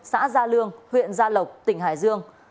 xã gia lương huyện gia lộc tỉnh hải dương